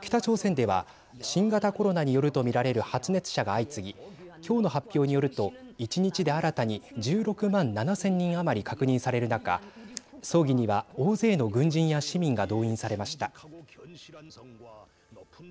北朝鮮では新型コロナによると見られる発熱者が相次ぎきょうの発表によると１日で新たに１６万７０００人余り確認される中葬儀には大勢の軍人や市民が動員されました。